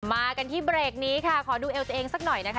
มากันที่เบรกนี้ค่ะขอดูเอวตัวเองสักหน่อยนะคะ